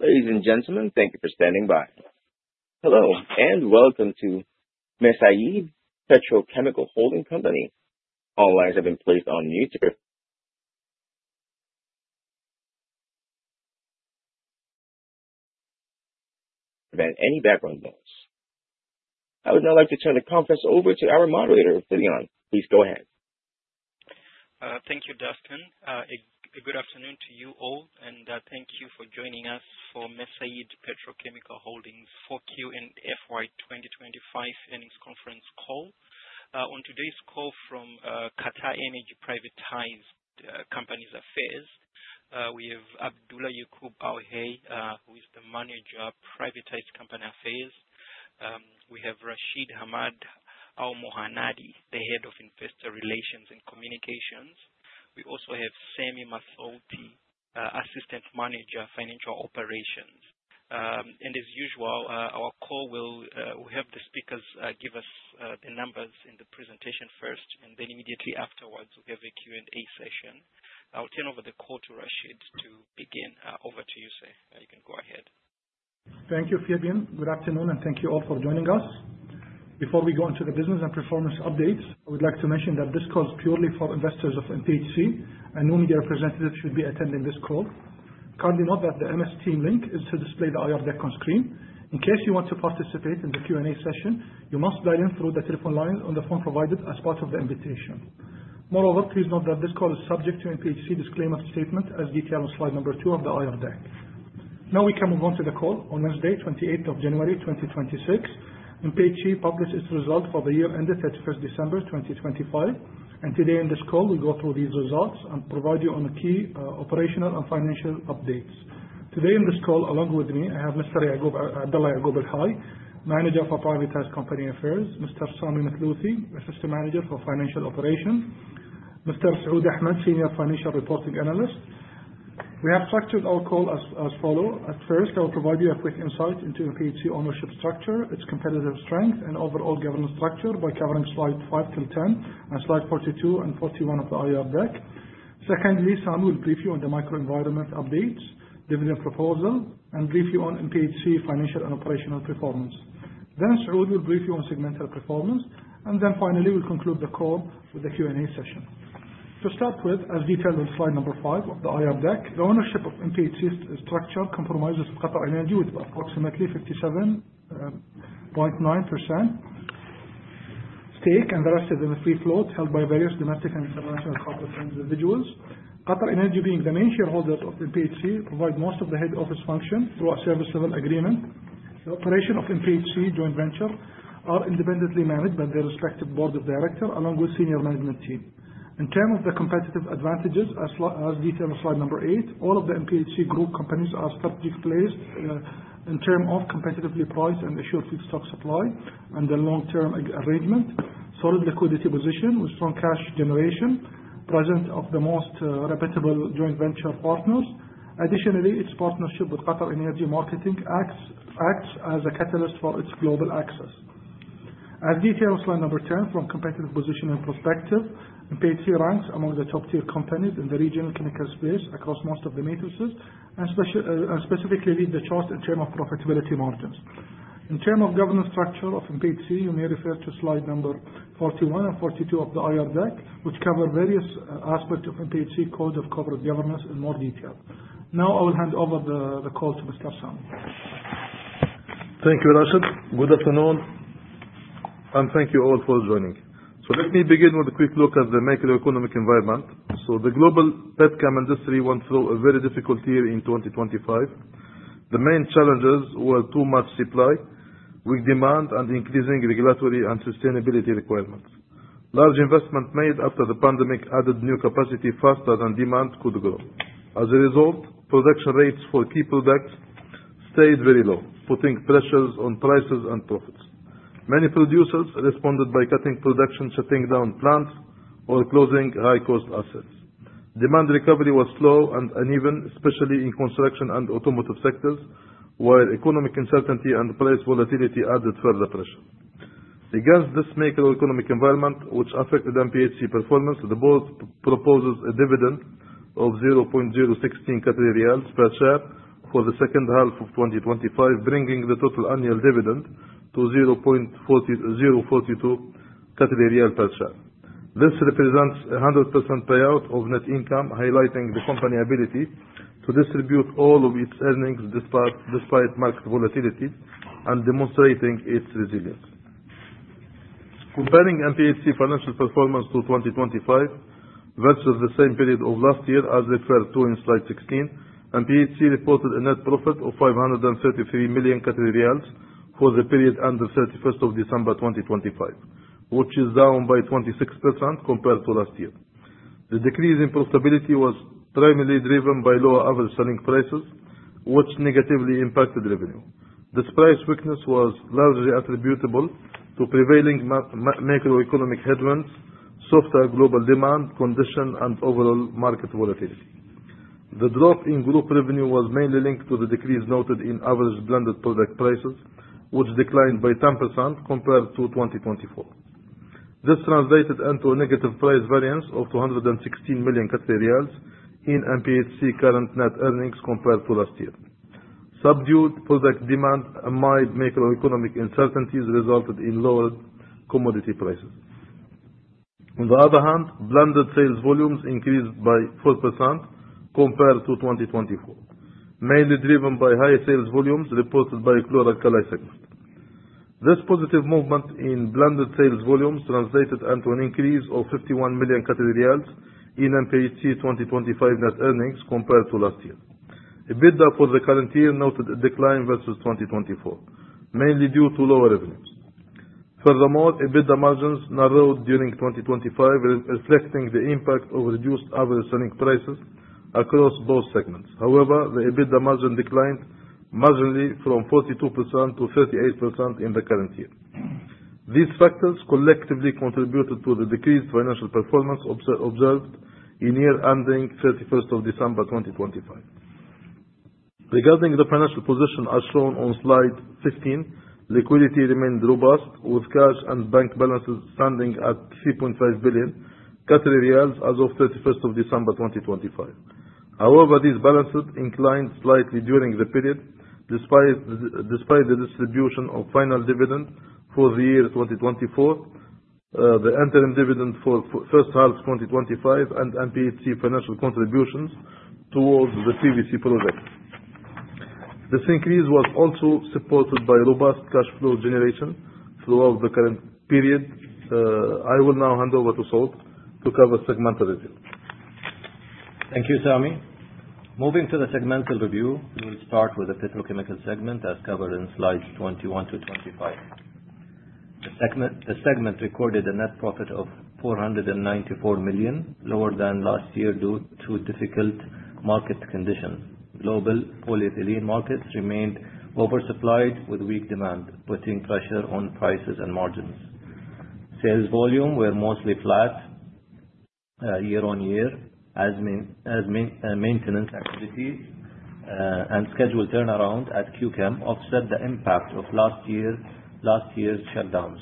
Ladies and gentlemen, thank you for standing by. Hello, welcome to Mesaieed Petrochemical Holding Company. All lines have been placed on mute without any background noise. I would now like to turn the conference over to our moderator, Fabian. Please go ahead. Thank you, Dustin. A good afternoon to you all, and thank you for joining us for Mesaieed Petrochemical Holdings 4Q and FY 2025 Earnings Conference Call. On today's call from QatarEnergy Privatized Companies Affairs, we have Abdulla Yaqoob Al-Hay, who is the Manager of Privatized Companies Affairs. We have Rashid Hamad Al-Mohannadi, the Head of Investor Relations and Communications. We also have Sami Mathlouthi, Assistant Manager, Financial Operations. As usual, our call will have the speakers give us the numbers in the presentation first, then immediately afterwards, we'll have a Q&A session. I'll turn over the call to Rashid to begin. Over to you, sir. You can go ahead. Thank you, Fabian. Good afternoon, and thank you all for joining us. Before we go into the business and performance updates, I would like to mention that this call is purely for investors of MPHC, and no media representatives should be attending this call. Kindly note that the MS Teams link is to display the IR deck on screen. In case you want to participate in the Q&A session, you must dial in through the telephone line on the phone provided as part of the invitation. Moreover, please note that this call is subject to MPHC disclaimer statement as detailed on slide number two of the IR deck. Now we can move on to the call. On Wednesday, 28th of January 2026, MPHC published its result for the year ended 31st December 2025. Today in this call, we'll go through these results and provide you on the key operational and financial updates. Today in this call, along with me, I have Mr. Abdulla Yaqoob Al-Hay, Manager for Privatized Companies Affairs, Mr. Sami Mathlouthi, Assistant Manager for Financial Operations, Mr. Saoud Ahmed, Senior Financial Reporting Analyst. We have structured our call as follows. At first, I will provide you a quick insight into MPHC ownership structure, its competitive strength, and overall governance structure by covering slides 5-10 and slide 42 and 41 of the IR deck. Secondly, Sami will brief you on the microenvironment updates, dividend proposal, and brief you on MPHC financial and operational performance. Then Saoud will brief you on segmental performance. Then finally, we'll conclude the call with a Q&A session. To start with, as detailed on slide number 5 of the IR deck, the ownership of MPHC structure comprises QatarEnergy with approximately 57.9% stake, and the rest is in the free float held by various domestic and international corporate individuals. QatarEnergy, being the main shareholder of MPHC, provides most of the head office function through our service level agreement. The operation of MPHC joint venture are independently managed by their respective board of directors along with senior management team. In terms of the competitive advantages, as detailed on slide number 8, all of the MPHC group companies are strategically placed in terms of competitively priced and assured feedstock supply and the long-term arrangement, solid liquidity position with strong cash generation, presence of the most reputable joint venture partners. Additionally, its partnership with QatarEnergy Marketing acts as a catalyst for its global access. As detailed on slide number 10 from competitive position and perspective, MPHC ranks among the top-tier companies in the regional chemical space across most of the matrices, and specifically lead the charge in terms of profitability margins. In terms of governance structure of MPHC, you may refer to slide number 41 and 42 of the IR deck, which cover various aspects of MPHC code of corporate governance in more detail. Now I will hand over the call to Mr. Sami. Thank you, Rashid. Good afternoon. Thank you all for joining. Let me begin with a quick look at the macroeconomic environment. The global petchem industry went through a very difficult year in 2025. The main challenges were too much supply, weak demand, and increasing regulatory and sustainability requirements. Large investments made after the pandemic added new capacity faster than demand could grow. As a result, production rates for key products stayed very low, putting pressures on prices and profits. Many producers responded by cutting production, shutting down plants or closing high-cost assets. Demand recovery was slow and uneven, especially in construction and automotive sectors, while economic uncertainty and price volatility added further pressure. Against this macroeconomic environment, which affected MPHC performance, the board proposes a dividend of 0.016 Qatari riyals per share for the second half of 2025, bringing the total annual dividend to 0.042 Qatari riyals per share. This represents 100% payout of net income, highlighting the company's ability to distribute all of its earnings despite market volatility and demonstrating its resilience. Comparing MPHC financial performance to 2025 versus the same period of last year, as referred to in slide 16, MPHC reported a net profit of 533 million Qatari riyals for the period under 31st of December 2025, which is down by 26% compared to last year. The decrease in profitability was primarily driven by lower average selling prices, which negatively impacted revenue. This price weakness was largely attributable to prevailing macroeconomic headwinds, softer global demand conditions, and overall market volatility. The drop in group revenue was mainly linked to the decrease noted in average blended product prices, which declined by 10% compared to 2024. This translated into a negative price variance of 216 million in MPHC current net earnings compared to last year. Subdued product demand amid macroeconomic uncertainties resulted in lower commodity prices. On the other hand, blended sales volumes increased by 4% compared to 2024, mainly driven by higher sales volumes reported by chlor-alkali segment. This positive movement in blended sales volumes translated into an increase of 51 million Qatari riyals in MPHC 2025 net earnings compared to last year. EBITDA for the current year noted a decline versus 2024, mainly due to lower revenues. Furthermore, EBITDA margins narrowed during 2025, reflecting the impact of reduced average selling prices across both segments. However, the EBITDA margin declined marginally from 42% to 38% in the current year. These factors collectively contributed to the decreased financial performance observed in year ending 31st of December 2025. Regarding the financial position as shown on slide 15, liquidity remained robust with cash and bank balances standing at 3.5 billion as of 31st of December 2025. However, these balances inclined slightly during the period, despite the distribution of final dividend for the year 2024, the interim dividend for first half 2025, and MPHC financial contributions towards the PVC project. This increase was also supported by robust cash flow generation throughout the current period. I will now hand over to Saoud to cover segmental review. Thank you, Sami. Moving to the segmental review, we will start with the petrochemical segment as covered in slides 21 to 25. The segment recorded a net profit of 494 million, lower than last year due to difficult market conditions. Global polyethylene markets remained oversupplied with weak demand, putting pressure on prices and margins. Sales volume were mostly flat year-on-year as maintenance activities and scheduled turnaround at Qchem offset the impact of last year's shutdowns.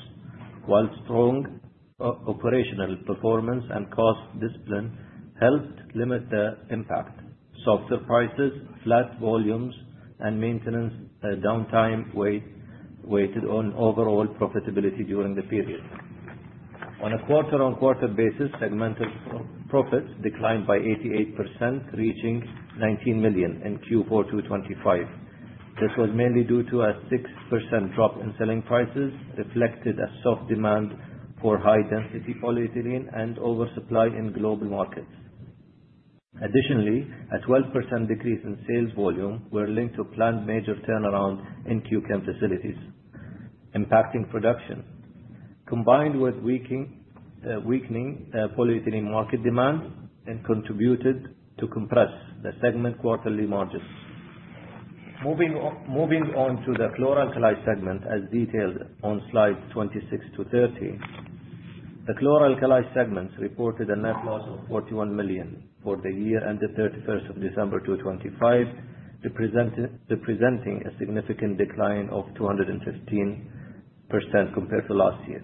While strong operational performance and cost discipline helped limit the impact. Softer prices, flat volumes, and maintenance downtime weighted on overall profitability during the period. On a quarter-on-quarter basis, segmental profits declined by 88%, reaching 19 million in Q4 2025. This was mainly due to a 6% drop in selling prices, reflected a soft demand for high-density polyethylene, and oversupply in global markets. Additionally, a 12% decrease in sales volume were linked to planned major turnarounds in Qchem facilities, impacting production. Combined with weakening polyethylene market demand and contributed to compress the segment quarterly margins. Moving on to the chlor-alkali segment, as detailed on slides 26 to 30. The chlor-alkali segment reported a net loss of 41 million for the year ended 31st of December 2025, representing a significant decline of 215% compared to last year.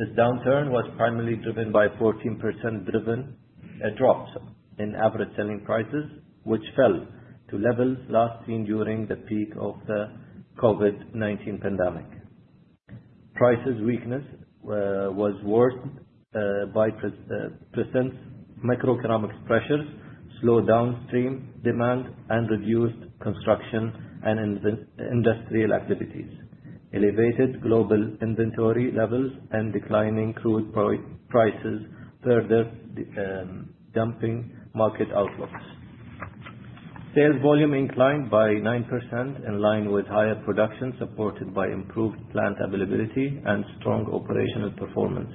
This downturn was primarily driven by 14% driven drops in average selling prices, which fell to levels last seen during the peak of the COVID-19 pandemic. Prices weakness was worsened by persistent macroeconomic pressures, slow downstream demand, and reduced construction and industrial activities. Elevated global inventory levels and declining crude prices further damping market outlooks. Sales volume inclined by 9%, in line with higher production supported by improved plant availability and strong operational performance.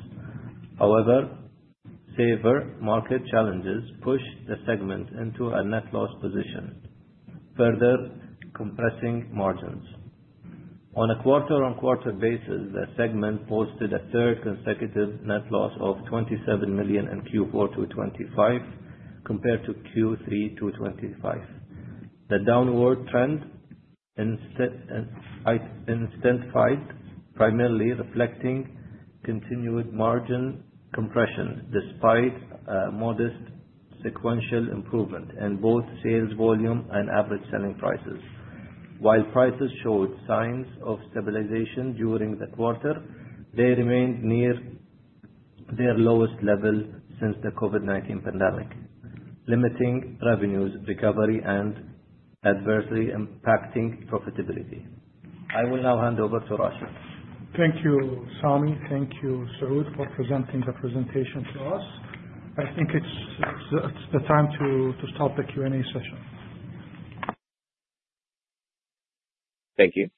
Severe market challenges pushed the segment into a net loss position, further compressing margins. On a quarter-on-quarter basis, the segment posted a third consecutive net loss of 27 million in Q4 2025 compared to Q3 2025. The downward trend intensified, primarily reflecting continued margin compression despite a modest sequential improvement in both sales volume and average selling prices. While prices showed signs of stabilization during the quarter, they remained near their lowest level since the COVID-19 pandemic, limiting revenues recovery and adversely impacting profitability. I will now hand over to Rashed. Thank you, Sami. Thank you, Saoud, for presenting the presentation to us. I think it's the time to start the Q&A session. Thank you.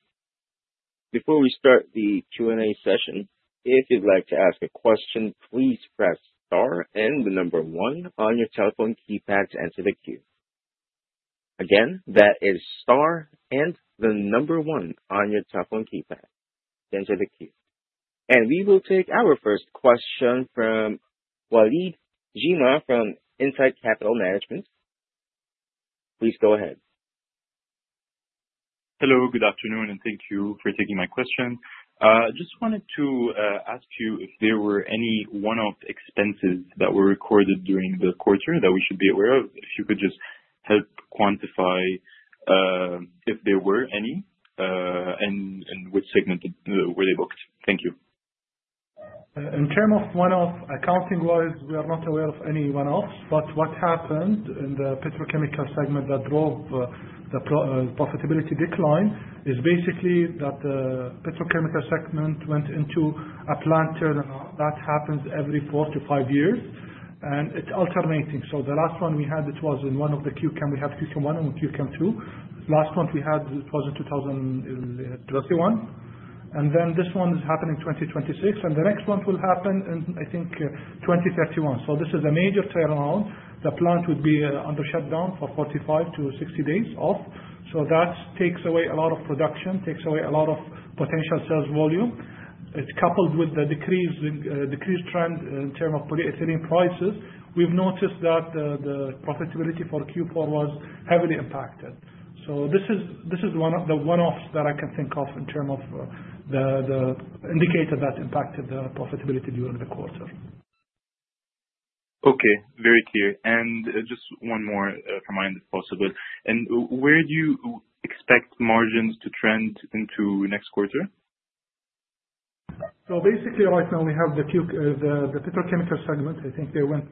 Before we start the Q&A session, if you'd like to ask a question, please press star and the number one on your telephone keypad to enter the queue. Again, that is star and the number one on your telephone keypad to enter the queue. We will take our first question from Walid Jima from Insight Capital Management. Please go ahead. Hello. Good afternoon, thank you for taking my question. Just wanted to ask you if there were any one-off expenses that were recorded during the quarter that we should be aware of. If you could just help quantify if there were any, and in which segment were they booked. Thank you. In terms of one-off, accounting-wise, we are not aware of any one-offs, but what happened in the petrochemical segment that drove the profitability decline is basically that the petrochemical segment went into a plant turnaround that happens every four to five years, and it's alternating. The last one we had, it was in one of the Q-chem. We have Q-chem one and Q-chem two. Last month we had, it was in 2021, and this one is happening 2026, and the next one will happen in, I think, 2031. This is a major turnaround. The plant would be under shutdown for 45 to 60 days off. That takes away a lot of production, takes away a lot of potential sales volume. It's coupled with the decreased trend in terms of polyethylene prices. We've noticed that the profitability for Q4 was heavily impacted. This is the one-offs that I can think of in terms of the indicator that impacted the profitability during the quarter. Okay. Very clear. Just one more from my end, if possible. Where do you expect margins to trend into next quarter? Basically, right now we have the petrochemical segment. I think they went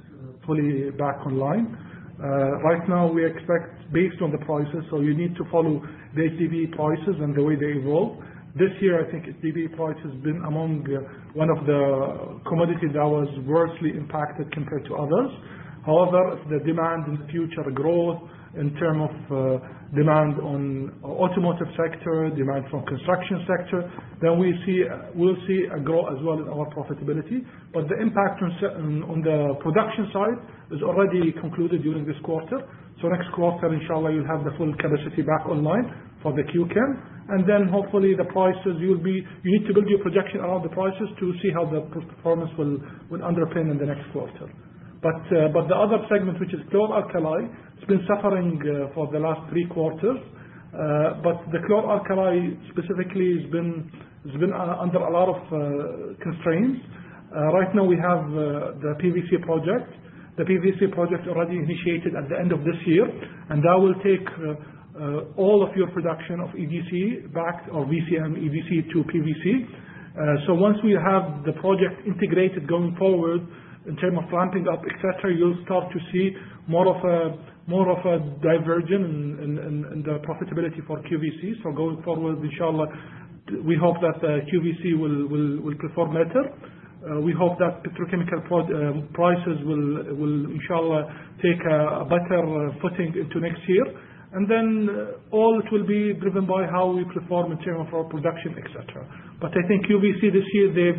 fully back online. Right now we expect based on the prices. You need to follow the SDB prices and the way they evolve. This year, I think SDB price has been among one of the commodity that was worst impacted compared to others. However, the demand in future growth in terms of demand on automotive sector, demand from construction sector, we'll see a growth as well in our profitability. The impact on the production side is already concluded during this quarter. Next quarter, inshallah, you'll have the full capacity back online for the Q-chem. Hopefully the prices. You need to build your projection around the prices to see how the performance will underpin in the next quarter. The other segment, which is chlor-alkali, it's been suffering for the last three quarters. The chlor-alkali specifically has been under a lot of constraints. Right now we have the PVC project. The PVC project already initiated at the end of this year, and that will take all of your production of EDC back or VCM, EDC to PVC. Once we have the project integrated going forward in terms of ramping up, et cetera, you'll start to see more of a diversion in the profitability for QVC. Going forward, inshallah, we hope that QVC will perform better. We hope that petrochemical prices will, inshallah, take a better footing into next year. All it will be driven by how we perform in terms of our production, et cetera. I think QVC this year,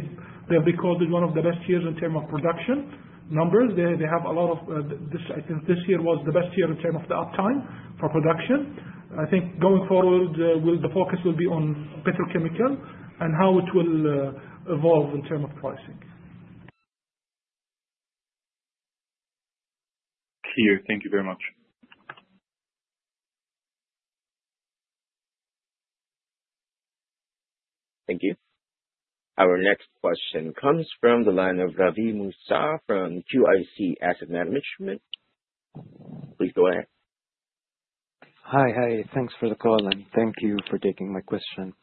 they have recorded one of the best years in terms of production numbers. This year was the best year in terms of the uptime for production. I think going forward, the focus will be on petrochemical and how it will evolve in terms of pricing. Clear. Thank you very much. Thank you. Our next question comes from the line of Ravi Moussa from QIC Asset Management. Please go ahead. Hi. Thanks for the call, and thank you for taking my question.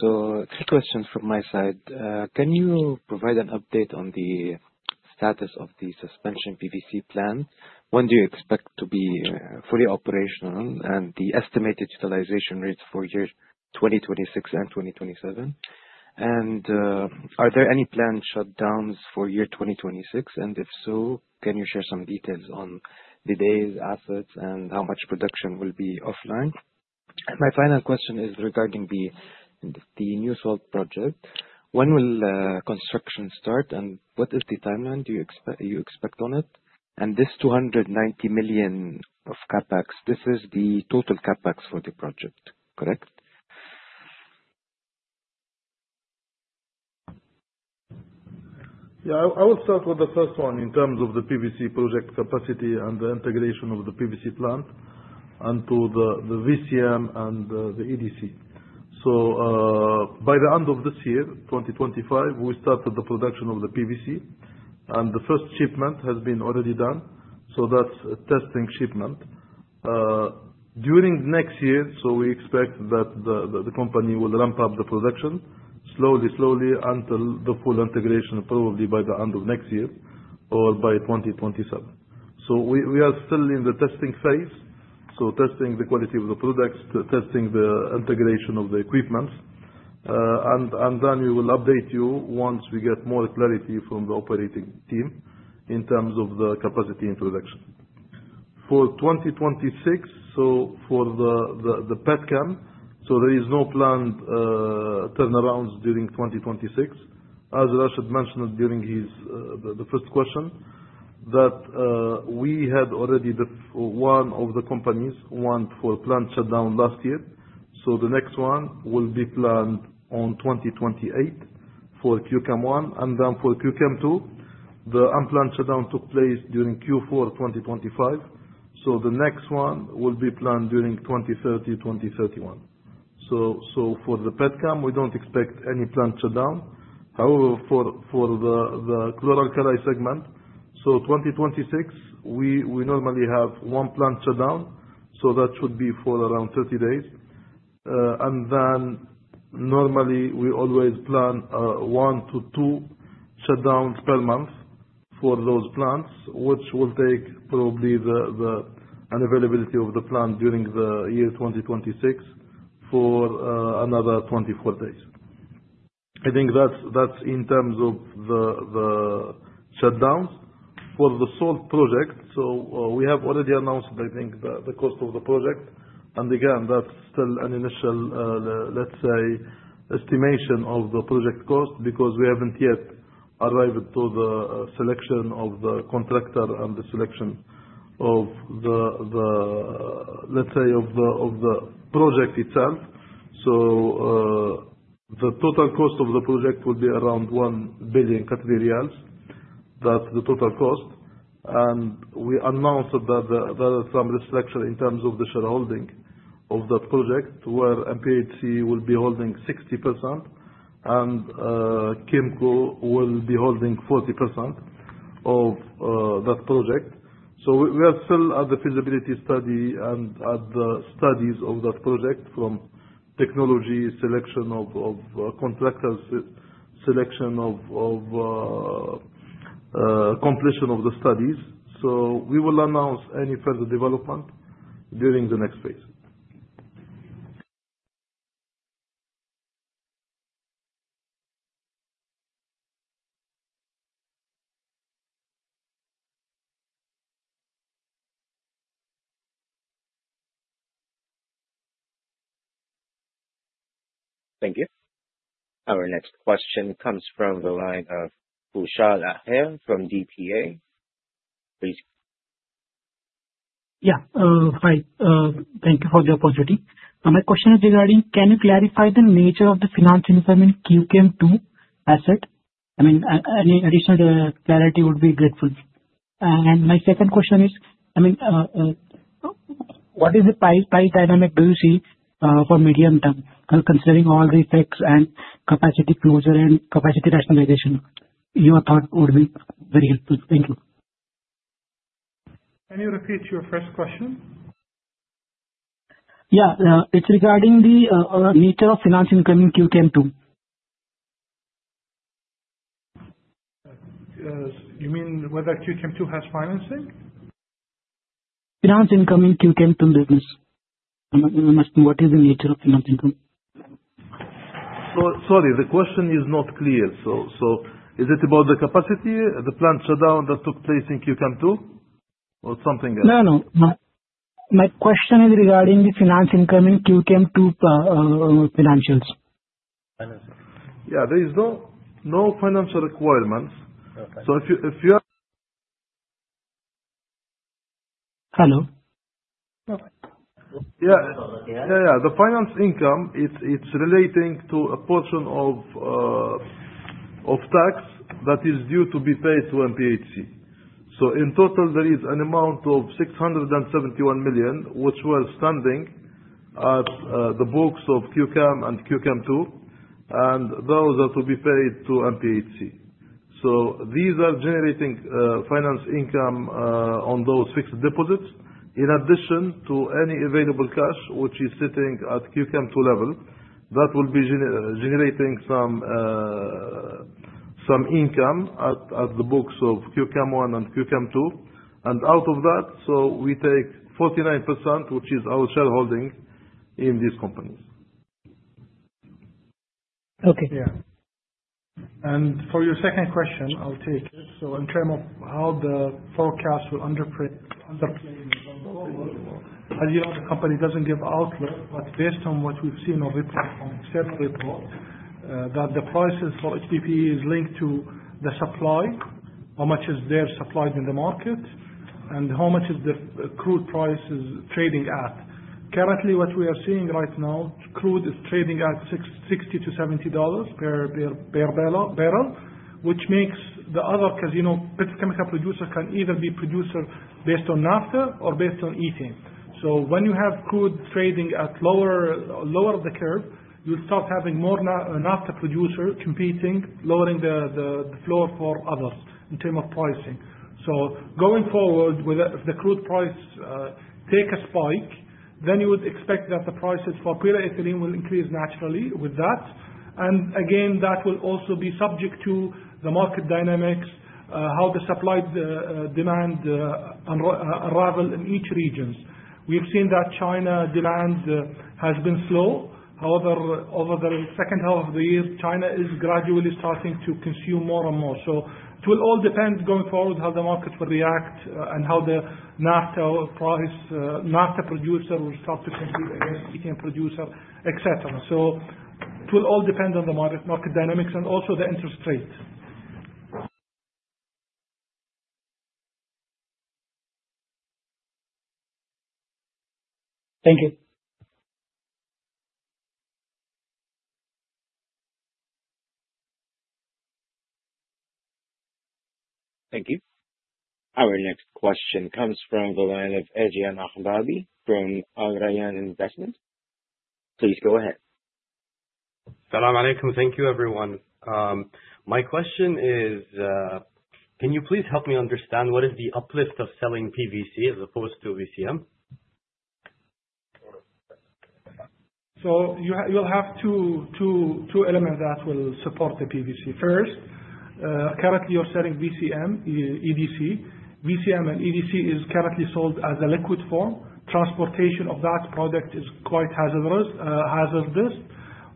Two questions from my side. Can you provide an update on the status of the suspension PVC plan? When do you expect to be fully operational and the estimated utilization rates for year 2026 and 2027? Are there any planned shutdowns for year 2026? If so, can you share some details on the days, assets, and how much production will be offline? My final question is regarding the new salt project. When will construction start, and what is the timeline do you expect on it? This 290 million of CapEx, this is the total CapEx for the project, correct? I will start with the first one in terms of the PVC project capacity and the integration of the PVC plant onto the VCM and the EDC. By the end of this year, 2025, we started the production of the PVC, and the first shipment has been already done. That's a testing shipment. During next year, we expect that the company will ramp up the production slowly until the full integration, probably by the end of next year or by 2027. We are still in the testing phase. Testing the quality of the products, testing the integration of the equipment. Then we will update you once we get more clarity from the operating team in terms of the capacity introduction. For 2026, for the petchem, there is no planned turnarounds during 2026. As Rashid mentioned during the first question, that we had already one of the companies, one for plant shutdown last year. The next one will be planned on 2028. For Qchem 1, then for Qchem 2, the unplanned shutdown took place during Q4 2025. The next one will be planned during 2030, 2031. For the petchem, we don't expect any planned shutdown. However, for the chlor-alkali segment, 2026, we normally have one planned shutdown, that should be for around 30 days. Then normally we always plan 1 to 2 shutdowns per month for those plants, which will take probably the unavailability of the plant during the year 2026 for another 24 days. I think that's in terms of the shutdowns. For the salt project, we have already announced, I think, the cost of the project. Again, that's still an initial, let's say, estimation of the project cost because we haven't yet arrived to the selection of the contractor and the selection of the, let's say, of the project itself. The total cost of the project will be around 1 billion Qatari riyals. That's the total cost. We announced that there are some restructure in terms of the shareholding of that project, where MPHC will be holding 60% and QIMC will be holding 40% of that project. We are still at the feasibility study and at the studies of that project from technology selection of contractors, selection of completion of the studies. We will announce any further development during the next phase. Thank you. Our next question comes from the line of Kushal Aher from DPA. Please. Yeah. Hi. Thank you for the opportunity. My question is regarding, can you clarify the nature of the finance income in Qchem 2 asset? Any additional clarity would be grateful. My second question is, what is the price dynamic do you see for medium term? Considering all the effects and capacity closure and capacity rationalization, your thought would be very helpful. Thank you. Can you repeat your first question? Yeah. It's regarding the nature of finance income in Qchem 2. You mean whether Qchem 2 has financing? Finance income in Qchem 2 business. What is the nature of finance income? Sorry, the question is not clear. Is it about the capacity, the plant shutdown that took place in Qchem 2, or something else? No, no. My question is regarding the finance income in Qchem 2 financials. Finances. Yeah, there is no financial requirements. Okay. So if you- Hello? Yeah. The finance income, it's relating to a portion of tax that is due to be paid to MPHC. In total, there is an amount of 671 million, which was standing at the books of Qchem and Qchem 2, and those are to be paid to MPHC. These are generating finance income on those fixed deposits. In addition to any available cash which is sitting at Qchem 2 level, that will be generating some income at the books of Qchem 1 and Qchem 2. Out of that, we take 49%, which is our shareholding in these companies. Okay. Yeah. For your second question, I'll take it. In term of how the forecast will underplay, as you know, the company doesn't give outlook, but based on what we've seen over from separate reports, that the prices for HDPE is linked to the supply, how much is their supplies in the market, and how much is the crude prices trading at. Currently, what we are seeing right now, crude is trading at $60-$70 per barrel, which makes the other, because petrochemical producer can either be producer based on Naphtha or based on Ethane. When you have crude trading at lower of the curve, you start having more Naphtha producer competing, lowering the floor for others in term of pricing. Going forward, if the crude price take a spike, then you would expect that the prices for pure ethylene will increase naturally with that. Again, that will also be subject to the market dynamics, how the supply-demand arrival in each regions. We have seen that China demand has been slow. However, over the second half of the year, China is gradually starting to consume more and more. It will all depend going forward how the markets will react and how the Naphtha price, Naphtha producer will start to compete against Ethane producer, et cetera. It will all depend on the market dynamics and also the interest rate. Thank you. Thank you. Our next question comes from the line of Aegean Akhavadi from AlRayan Investment. Please go ahead. Salam Alaikum. Thank you, everyone. My question is, can you please help me understand what is the uplift of selling PVC as opposed to VCM? You'll have two elements that will support the PVC. First, currently you're selling VCM, EDC. VCM and EDC is currently sold as a liquid form. Transportation of that product is quite hazardous.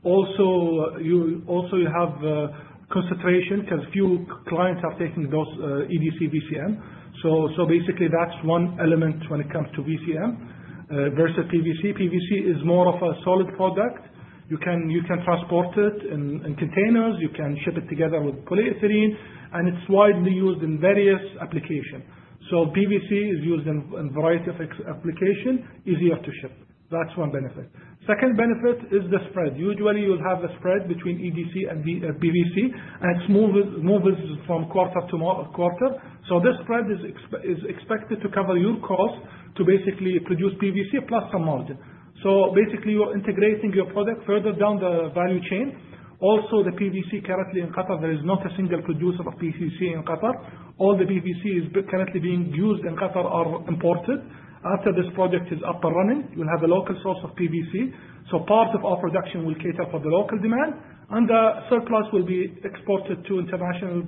Also, you have concentration because few clients are taking those EDC, VCM. That's one element when it comes to VCM versus PVC. PVC is more of a solid product. You can transport it in containers. You can ship it together with polyethylene, and it's widely used in various application. PVC is used in variety of application, easier to ship. That's one benefit. Second benefit is the spread. Usually, you'll have a spread between EDC and PVC, and it moves from quarter to quarter. This spread is expected to cover your cost to basically produce PVC plus a margin. You're integrating your product further down the value chain. The PVC currently in Qatar, there is not a single producer of PVC in Qatar. All the PVCs currently being used in Qatar are imported. After this project is up and running, you'll have a local source of PVC. Part of our production will cater for the local demand, and the surplus will be exported to international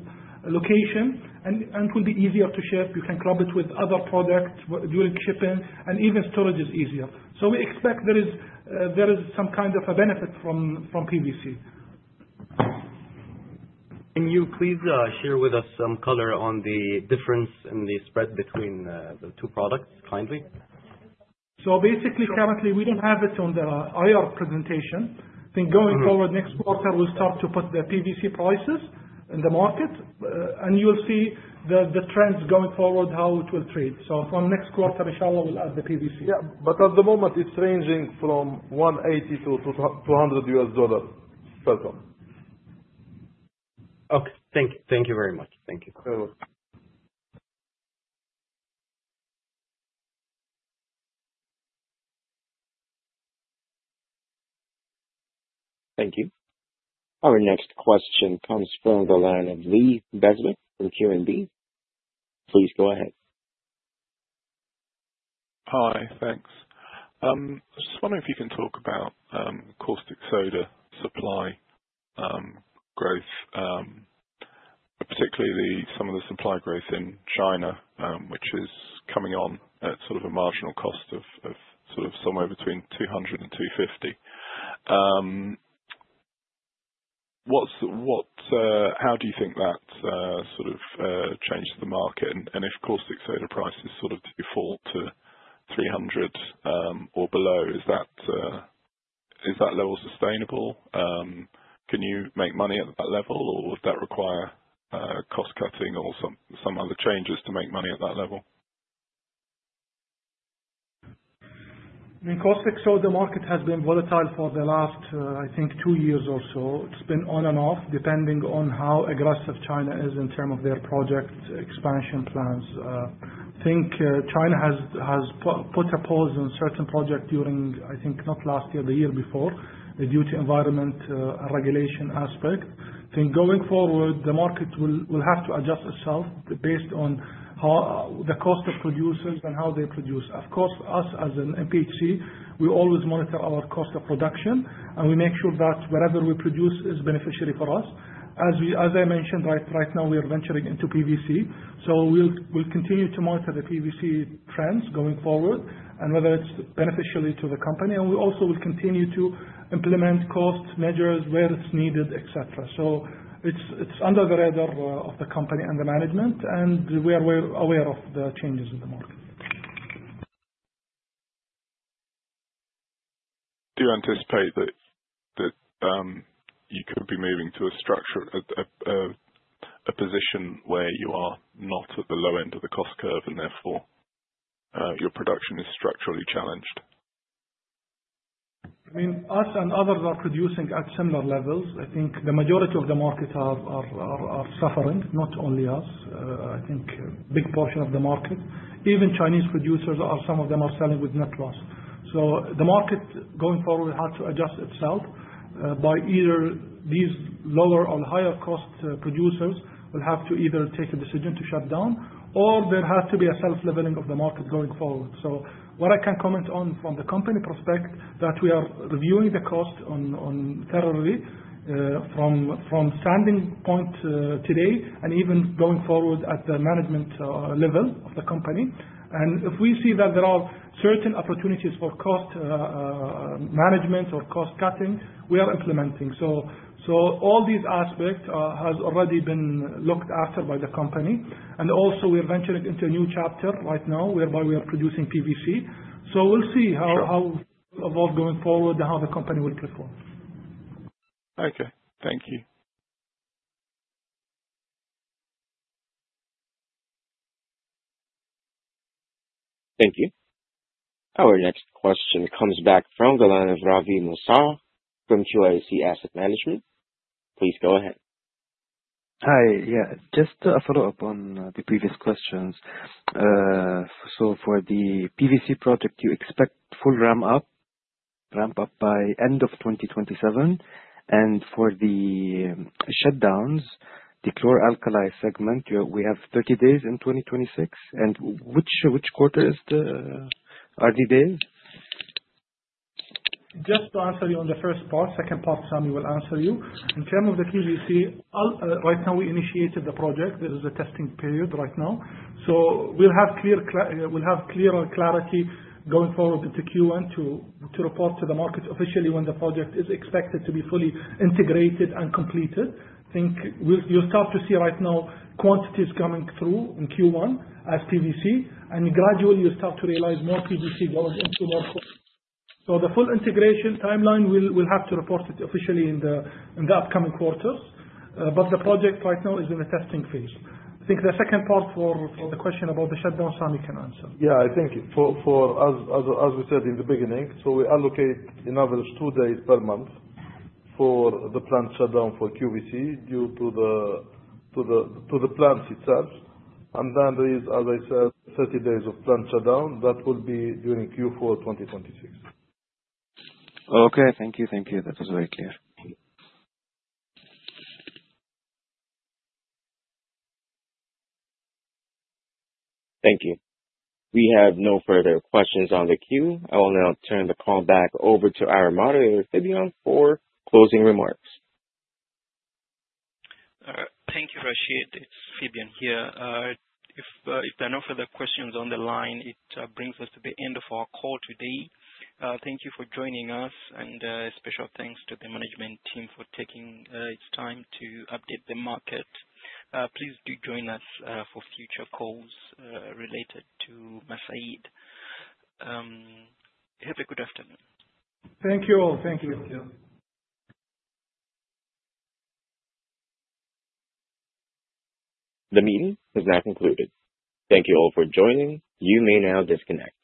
location and will be easier to ship. You can club it with other products during shipping, and even storage is easier. We expect there is some kind of a benefit from PVC. Can you please share with us some color on the difference in the spread between the two products, kindly? Basically currently we don't have it on the IR presentation. I think going forward next quarter we'll start to put the PVC prices in the market, and you'll see the trends going forward, how it will trade. From next quarter, inshallah, we'll add the PVC. Yeah. At the moment it's ranging from QAR 180-QAR 200 per ton. Okay. Thank you. Thank you very much. Thank you. Sure. Thank you. Our next question comes from the line of Lee Benjamin from QNB. Please go ahead. Hi. Thanks. I was just wondering if you can talk about caustic soda supply growth, particularly some of the supply growth in China which is coming on at sort of a marginal cost of somewhere between 200 and 250. How do you think that sort of changed the market? If caustic soda prices sort of default to 300 or below, is that level sustainable? Can you make money at that level or would that require cost cutting or some other changes to make money at that level? I mean, caustic soda market has been volatile for the last, I think two years or so. It has been on and off depending on how aggressive China is in term of their project expansion plans. I think China has put a pause on certain project during, I think not last year, the year before, due to environment regulation aspect. I think going forward the market will have to adjust itself based on the cost of producers and how they produce. Of course, us as an MPHC, we always monitor our cost of production and we make sure that whatever we produce is beneficiary for us. As I mentioned, right now we are venturing into PVC. We will continue to monitor the PVC trends going forward and whether it is beneficiary to the company. We also will continue to implement cost measures where it is needed, et cetera. It's under the radar of the company and the management, and we are aware of the changes in the market. Do you anticipate that you could be moving to a position where you are not at the low end of the cost curve and therefore your production is structurally challenged? I mean, us and others are producing at similar levels. I think the majority of the market are suffering, not only us. I think a big portion of the market. Even Chinese producers, some of them are selling with net loss. The market going forward will have to adjust itself by either these lower or higher cost producers will have to either take a decision to shut down or there has to be a self-leveling of the market going forward. What I can comment on from the company prospect, that we are reviewing the cost thoroughly from standing point today and even going forward at the management level of the company. If we see that there are certain opportunities for cost management or cost cutting, we are implementing. All these aspects has already been looked after by the company. Also we are venturing into a new chapter right now whereby we are producing PVC. We'll see how above going forward, how the company will perform. Okay. Thank you. Thank you. Our next question comes from the line of Ravi Moussa from QIC Asset Management. Please go ahead. Hi. Yeah, just a follow-up on the previous questions. For the PVC project, you expect full ramp up by end of 2027 and for the shutdowns, the chlor-alkali segment, we have 30 days in 2026. Which quarter are the days? Just to answer you on the first part, second part, Sami Mathlouthi will answer you. In term of the QVC, right now we initiated the project. There is a testing period right now. We'll have clearer clarity going forward into Q1 to report to the market officially when the project is expected to be fully integrated and completed. I think you'll start to see right now quantities coming through in Q1 as PVC, gradually you'll start to realize more PVC going into more. The full integration timeline, we'll have to report it officially in the upcoming quarters. The project right now is in the testing phase. I think the second part for the question about the shutdown, Sami Mathlouthi can answer. I think as we said in the beginning, we allocate an average two days per month for the plant shutdown for QVC due to the plants itself. There is, as I said, 30 days of plant shutdown. That will be during Q4 2026. Thank you. Thank you. That was very clear. Thank you. We have no further questions on the queue. I will now turn the call back over to our moderator, Fabian, for closing remarks. Thank you, Rashid. It's Fabian here. If there are no further questions on the line, it brings us to the end of our call today. Thank you for joining us and special thanks to the management team for taking its time to update the market. Please do join us for future calls related to Mesaieed. Have a good afternoon. Thank you all. Thank you, Fabian. The meeting is now concluded. Thank you all for joining. You may now disconnect.